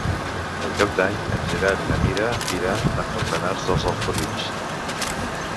Per Cap d'Any en Gerard i na Mira iran a Fontanars dels Alforins.